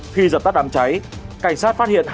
khi giật tắt đám cháy